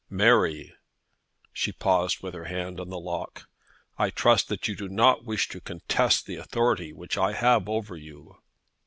"Mary!" She paused with her hand on the lock. "I trust that you do not wish to contest the authority which I have over you?"